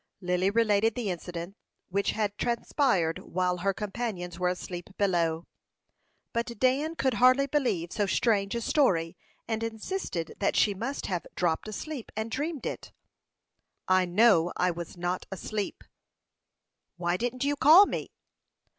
Lily related the incident which had transpired while her companions were asleep below; but Dan could hardly believe so strange a story, and insisted that she must have dropped asleep and dreamed it. "I know I was not asleep." "Why didn't you call me?"